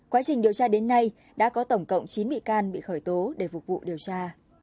quá trình điều tra đến nay đã có tổng cộng chín bị can bị khởi tố để phục vụ điều tra